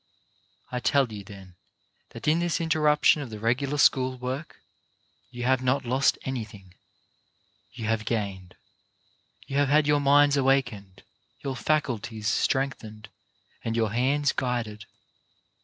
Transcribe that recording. I tell you, then, that in this interruption of the regular school work you have not lost anything :— you have gained ; you have had your minds awak ened, your faculties strengthened, and your hands guided.